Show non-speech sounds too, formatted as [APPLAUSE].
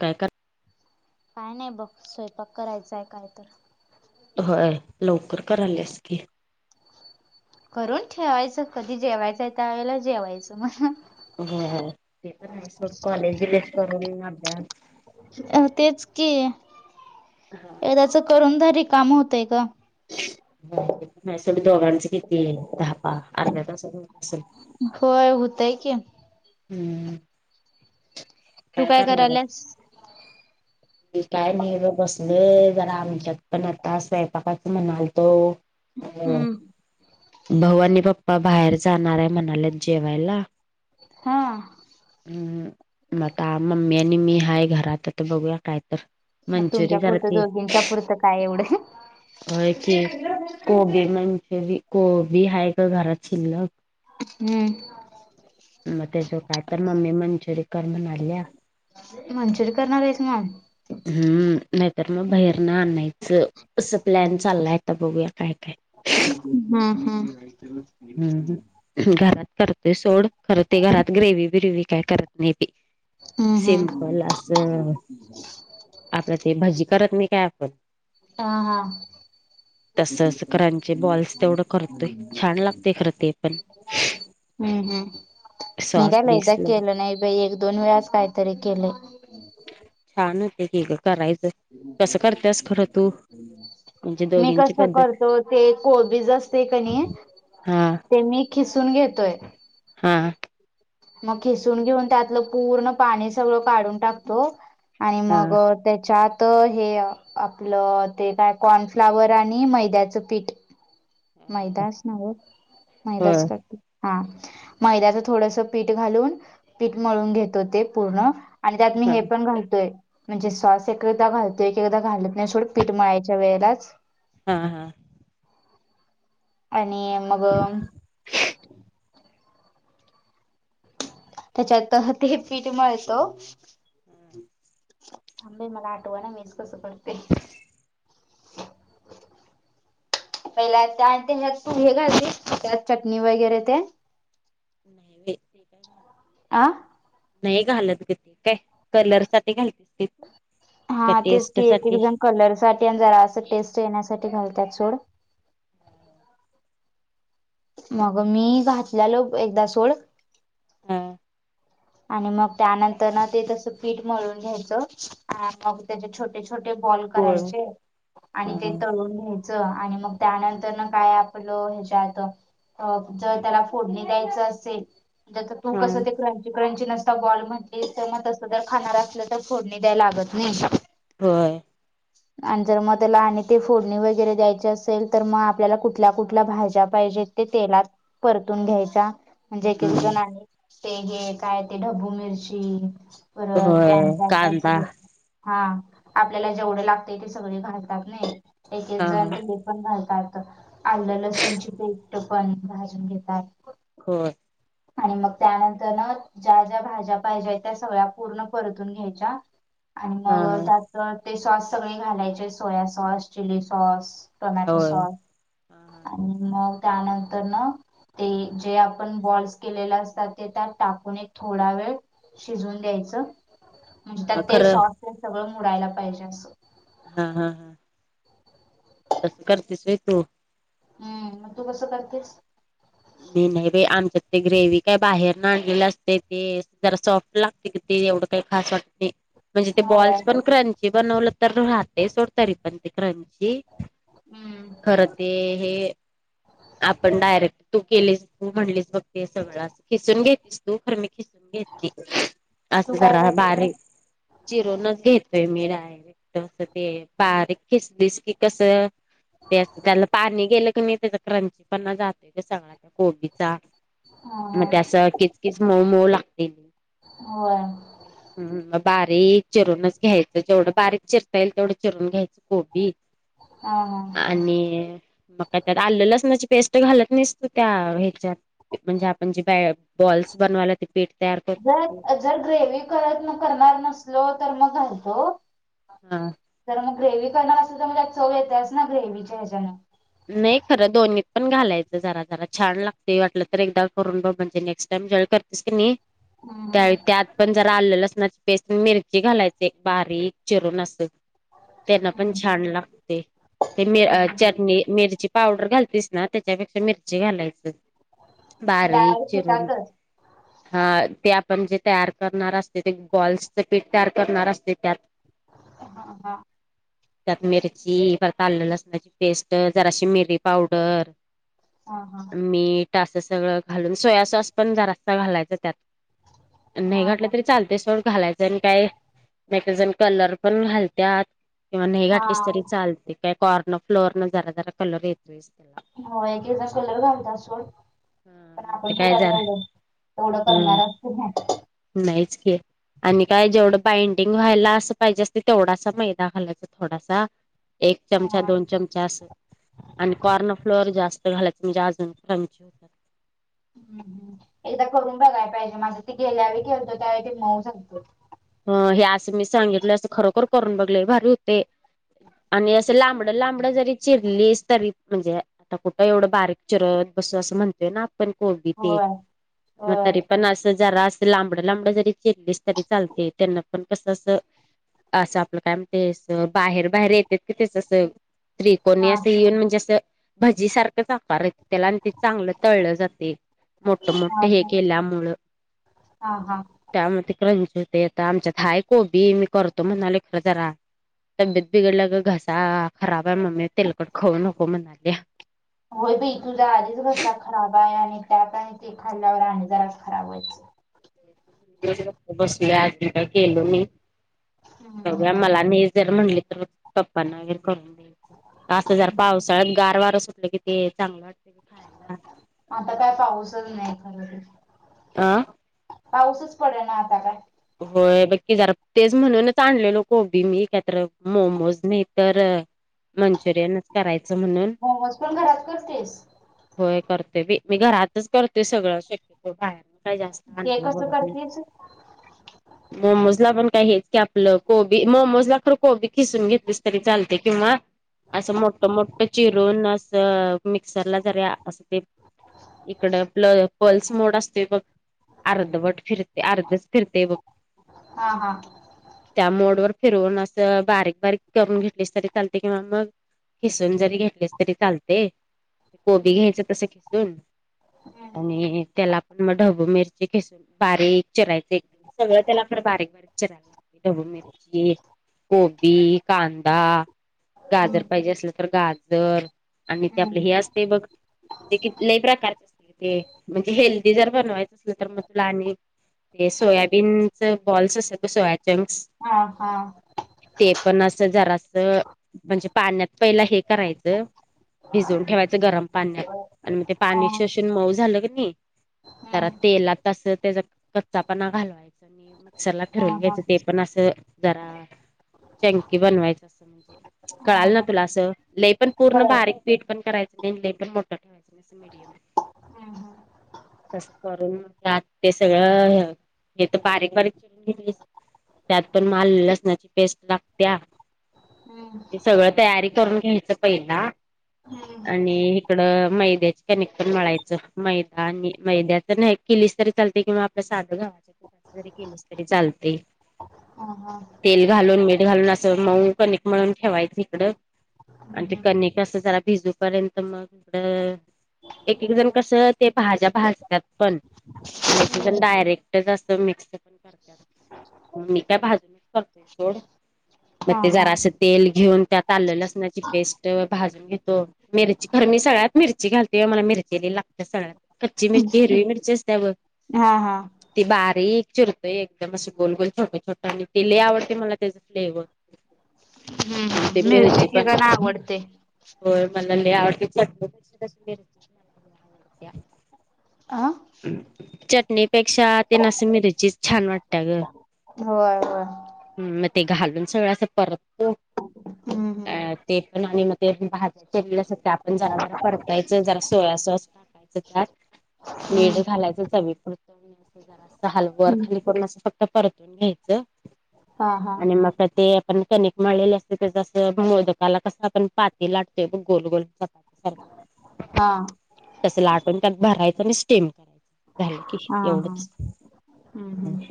काय काय. काय नाही बघ स्वयंपाक करायचाय काय तर हो लवकर करालास की. करून ठेवायचं कधी जेवायचं आहे त्या वेळेला जेवायचं म. व्हय ते तर आहेच सोड कॉलेज बिलेज करून अभ्यास अ तेच की हा एकदच करूनधारी काम होतय का. प स दोघांचं किती दहापाहा अर्ध्या तसात होत असल. होय होतय की. हम्म. तू काय करणार आहेस? करायलास. काय नाही बसले जरा आमच्यात पण आता स्वयंपाकाच म्हणाल तो. हम्म.. भाऊ आणि पप्पा बाहेर जाणार आहे म्हणालेत जेवायला हा हम्म म आता मम्मी आणि मी आहेाय घरात ते बघूया काय तर. मग मंचुरी तुमच्या जरा पुरतं दोघींच्या पुरतं काय एवढं? अ की कोबी म्हणजे कोबी आहेाय का घरात शिरल हम्म. मग त्याच काय तर मम्मी मंचुरी कर म्हणा आल्या. मंचुरी करणार आहेस मग? हम्म नाहीतर मग बाहेरन आणायचं असं प्लॅन चाललायता बघूया काय, काय. हम्म हम्म. [INAUDIBLE] हम्म हम् [UNINTELLIGIBLE] घरात करते सोड करते घरात ग्रेवी बिरेवी काय करत नाही ते. हम्म हम्म सिमपल असं आता ते भजी करत नाही काय आपण. हा हा. कती [UNINTELLIGIBLE] करांचे बॉल्स तेवढं करतोय छान लागते खरं ते पण. हम्म, हम्म मी सॉस काय बीस लयदा लावून केलं नाही बाई एक, दोन वेळाच काहीतरी केलय. छान होते की ग करायचं कसं करतेस खरं तू? म्हणजे मी दोघींची कसं पद्धत करतो ते कोबीज असते का नाही. हा ते मी खिसून घेतोय. हां. मग खिसून घेऊन त्यातलं पूर्ण पाणी सगळं काढून टाकतो. आणि हा मग त्याच्यात तर हे आपलं ते काय कॉर्नफ्लावर आणि मैद्याचं पीठ मैदाच नव हो मैदाच करते हा मैद्याच थोडस पीठ घालून पीठ मळून घेतो ते पूर्ण आणि त्यात मी हा हे पण घालतोय. म्हणजे सॉस एकादा घालतो एकदा घालत नाही थोडं पीठ मळायच्या वेळेलाच हा हा. आणि मग त्याच्यात ते पीठ मिळतो. थांब बाई मला आठवा ना मीच कसं करते. पहिला आणि त्याच्यात तू हे घालतेस त्यात चटणी वगैरे ते नाही वेच का [UNINTELLIGIBLE] आह. नाही घालत ग ते काय कलरसाठी घालते ते ‌. हा तेच की एक, एक जण कलर साठी आणि जरा असं टेस्ट येण्यासाठी घालतात सोड मग मी घातल्यालो एकदा सोड हां. आणि मग त्यानंतर ना ते तस फीट मळून घ्यायचं मग त्याच्या छोट ते छोटे बॉल गोळ करायचे. आणि हा ते तळून घ्यायचं आणि मग त्यानंतर न काय आपलं ह्याच्यात. अ जर त्याला फोडणे द्यायचं असेल त्याच्यातून हा कसं ते कर. क्रंची नसता बॉल म्हणतेस तर मग तसं जर खाणार असलं तर फोडणी द्यायला लागत नाही. होय. आणि जर मग त्याला आणि ते फोडणी वगैरे द्यायची असेल तर मग आपल्याला कुठल्या, कुठल्या भाज्या पाहिजेत. ते तेलात परतून घ्यायचा. म्हणजे की एकेक हम्म जण आहे ते हे काय ते ढब्बू मिरची परत होय त्यांन त्यांन कांदा त्यांनसोबत. हा आपल्याला जेवढे लागतंय ते सगळे घालतात नय एक एक हा जण हा ते हे पण घालतात आलं लसूणची पेस्ट पण भाजून घेतात. होय. आणि मग त्यानंतर ना ज्या ज्या भाज्या पाहिज्या त्या सगळ्या पूर्ण परतून घ्यायच्या आणि हा मग त्यात त ते सॉस सगळे घालायचे soya sauce, chilli sauce, tomato होय सॉस हा आणि मग त्यानंतर न ते जे आपण बॉल्स केलेले असतात ते त्यात टाकून एक थोडा वेळ शिजून द्यायचं म्हणजे हा त्यात ते खरं सॉ ते सगळं मुडायला पाहिजे असं. हा हा हा. तसं करतेस व्हय तू. हूं म तू कसं करतेस? मी नाय बाय आमच्यात ते ग्रेवी काय बाहेरनं आणलेलं असतंय ते जरा सॉफ्ट लागते की ते एवढं काय खास वाटते. म्हणजे ते होय. बॉल्स पण क्रंची बनवलं तर राहतंय सोड तरी पण ते क्रंची. हम्म. खरं ते हे, आपण डायरेक्ट तू केलेस, तू म्हंणलीस बघ ते सगळं असं, खिसून घेतीस तोपर्यंत मी खिसून घेतली तू असं काय जरा करतेस मग? बारीक. चिरूनच घेतय मी डायरेक्ट तर ते बारीक खिसलीस की कसं ते असं त्याला पाणी गेलं की नय त्याचा क्रंची पणा जातंय त्या सगळा त्या कोबीचा. हा. हा. मग ते असं किच किच मऊ मऊ लागतंय की होय. हम्म म, बारीक चिरूनच घ्यायचं जेवढं बारीक चिरता येईल तेवढं चिरून घ्यायचं. कोबी, हा हा. आणि मग काय त्यात आलं लसणाची पेस्ट घालत निस्त त्या ह्याच्यात म्हणजे आपण जे बॅ बॉल्स बनवायला ते पीठ तयार करतोय ते तर जर ग्रेव्ही करत करणार नसलो तर मग घालतो. हा. तर मग ग्रेव्ही करणार असलं तर मं त्यात चव येत्याच ना ग्रेवहीच्या ह्याच्यानं. नाय खरं दोन्हीपण घालायचं जरा जरा छान लागतंय वाटलं तर एकदा करून बघ म्हणजे नेक्स्ट टाईम ज्यावेळेला कर तसं कणी हम्म त्यावेळी त्यात पण जरा आलं-लसणाची पेस्ट, मिरची घालायच एक बारीक चिरून असं. त्यांना हम्म पण छान लागते, ते मी हम्म अं हम्म. चटणी मिरची पावडर घालतीस ना त्याच्यापेक्षा मिरची घालायचं. बारीक डाळ चिरून. पिठातच हा ते आपण जे तयार करणार असते ते बॉल्सच पीठ तयार करणार असतय त्यात [INAUDIBLE] हा हा. त्यात मिरची, परत आलं-लसणाची पेस्ट, जराशी मिरी पावडर. हा मीठ असं सगळं घालून सोया सॉस पण जरासा घालायचा त्यात. नाय हा घातला हा तरी चालतंय सोड घालायचं आणि काय, काय काय जण कलर पण घालत्यात. किंवा नाई हा घाटलीस तरी चालते काय कॉर्नर फ्लोर न जरा जरा कलर येतोस त्याला हो एक एक दा [UNINTELLIGIBLE] घालतात सोड पण मग ते आपण काय कुठला जरा एवढं एवढं करणार हम्म असतो. नाहीच की, आणि काय जेवढं बाइंडिंग व्हायला असं पाहिजे असंत तेवढासा मैदा घालायचा थोडासा एक चमचा हा दोन चमचा असं आणि कॉर्न फ्लोअर जास्त घालायचं म्हणजेज क्रॅची ची होतात. हं हं एकदा करून बघाय पाहिजे माझं ते गेल्या वेळी केलत त्यावेळी ते मऊ झालत. अ.. हे असं मी सांगितलोय असं खरोखर करून बघ लय भारी होतंय. आणि असं लांबडं लांबडं जरी चिरलीस तरी म्हणजे, आता कुठं एवढं बारीक चिरत बसू असं म्हणतोय ना. पण कोण बी ते, होय मग होय तरी पण असं जरास. लांबडं लांबंड जरी चिरलीस तरी चालतंय. त्यांना पण कसं असं, असं आपलं काय म्हणते अस बाहेर बाहेर येत्यात की त्याच असं. त्रिकोणी हा असं येऊन म्हणजे असं, भजी सारखंच आकार येतोय. त्याला आणि ते चांगलं तळलं जाते, मोठ मोठ हा हे हा केल्यामुळं. हा हा. त्यामध्ये क्रंच होते. आता आमच्या हाय कोबी मी करतो म्हणाले खरं जरा, तब्येत बिघडलं गं घसा खराब आहे. मम्मी तेलकड खाऊ नको म्हणाल्या. होय बाई तुझा आधीच घसा खराब आहे. आणि त्यात आणि ते खाल्ल्यावर आणि जरासा खराब व्हायचा. बसलोय अजून काय केलो नयी. हम्म [UNINTELLIGIBLE] जर म्हणली तर पप्पांना वैगरे करून द्यायच. आस जर हम्म पावसाळ्यात गार वार सुटलं क ते चांगलं वाटते. [UNINTELLIGIBLE] आता काय पाऊसच नाही खरं तर, आ.. पाऊसच पडना आता काय, होय, बघ की जरा तेच म्हणूनच आणलेलो कोबी मी कायतर मोमोज नाही तर, मंचुरियनच करायचं म्हणून, मोमोज पण घरात करतेस? होय करते बाई. मी घरातच करते सगळं शक्यतो, बाहेरच काय जास्त ते आणायला कसं बघत नाही. करतेस? मोमोजला पण काय हेच की, आपलं कोबी मोमोज ला खरं कोबी खिसून घेतलीस तरी चालते किंवा, असं मोठं मोठं चिरून असं मिक्सरला जरी असं ते, इकड पल पल्स मोड असतोय बघ अर्धवट फिरते अर्धच, फिरतय बगं. हा हा. त्या मोड वर फिरून असं, बारीक बारीक करून घेतलीस तरी चालते. किंवा मग खिसून जरी घेतलीस तरी चालते. कोबी घ्यायचं तस, खिसून हम्म. आणि त्याला मग ढबू मिरची खिसून बारीक चिरायच, एकदम सगळं त्याला खरं बारीक चिरायाचं. ढबू मिरची, कोबी, कांदा, गाजर हम्म. पाहिजे असल, तर गाजर आणि ते आपले हम्म. हे असतय बघ. एकएक लय प्रकारचे असतय. ते म्हणजे हेल्दी जर बनवायचं असेल तर मग तुला आणि, ते सोयाबीनच बॉल्स असतात बग सोयाचंक्स. हा हा. ते पण असं जरास, म्हणजे पाण्यात पहिला हे करायचं. भिजवून ठेवायचं गरम पाण्यात, आणि मग ते हा. पाणी शोषून मऊ झालं कणी. जरा हम्म. तेलात असं त्याचा कच्चा पणा घालवायचं मी मिक्सर ला हा फिरवून हा. घ्यायचं ते पण असं. जरा चंकी बनवायचं असं म्हणजे, हा कळाल ना हा. तुला असं लै पण. पूर्ण परत. बारीक पीठ पण करायचं नाही. लै मोठं पण ठेवायचं नाही अस मिडियम ठेवायचं. हम्म. तसं करून त्यात ते सगळं हे. हे तर बारीक बारीक चिरून घेतलीस. त्यात पण माल लसणाची पेस्ट लागत्या. हम्म. हे सगळं तयारी करून घ्यायचं पहिला. हम्म. आणि इकडं मैद्याचे कनिक मळायचं, मैदा आणि मैद्याच [UNINTELLIGIBLE] केलीस तरी चालते, किंवा आपल्या साध गव्हाच्या पिठाच जरी केलीस तरी चालते. हा हा. तेल घालून मीठ घालून असं मऊ कनिक मळून ठेवायचं हिकडं. हम्म. आणि ते हम्म. कनिक अस जरा भिजू पर्यंत मग हिकडं. एक एक जण कस ते भाज्या भासतात पण आणि एक एक जण डायरेक्ट. जास्त मिक्स पण करतात, मी का भाजूनच करतोय सोड. मग हा ते हा. जरा असं तेल घेऊन त्यात आलं लसणाची पेस्ट भाजून घेतो. मिरची खर मी सळ्यात मिरची घालतेय मला मिरची लागते सळ्यात. कच्ची मिरची हिरवी मिरची असते ब हा हा ती बारीक चिरतोय एकदम असं गोलगोल छोट छोटं आणि ति लई आवडते मला त्याच्या फलेवर. हम्म. आणि ते मिरची मिरचे पण एकेकांना आवडते. होय मला ल आवडतेट पै मला आवडते. अ चटणीपेक्षा ते नस मिरचीच छान वाटत ग. होय होय ह् मग ते घालून सगळं असं परततो. हम्म. ते पण आणि् ही म भाज्या केलेलं अस आपण जरा जरा परतायचं जरा सोया सॉस यचं त्यात मीठ हम्म. घालायचं चवी पुरत जरा हल वर हम्म. खाली को अस फक्त परतून घ्यायचं हा हा. आणि मग ते आपण कनिक मळलेले असते जसं मोदकाला कसं आपण पाती लाटतोय गोल गोलचा सारख हा तस लाटून त्यात भरायचं आणि स्टीम करायचं. झालं की हा हा. एवढंच. हम्म. हम्म.